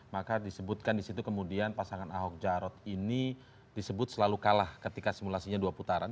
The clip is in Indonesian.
maka disebutkan di situ kemudian pasangan ahok jarot ini disebut selalu kalah ketika simulasinya dua putaran